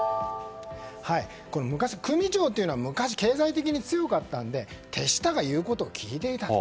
昔、組長は経済的に強かったので手下が言うことを聞いていたと。